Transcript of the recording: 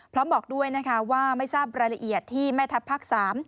พร้อมบอกด้วยว่าไม่ทราบรายละเอียดที่แม่ทัพภักษ์๓